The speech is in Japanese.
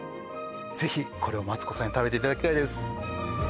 ぜひこれをマツコさんに食べていただきたいです